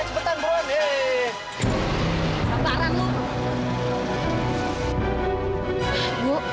aduh lambang banget mbak